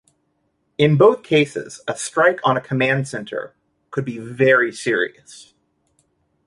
In both cases a strike on a command center could be very serious.